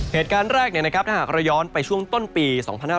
เหตุการณ์แรกถ้าหากเราย้อนไปช่วงต้นปี๒๕๕๙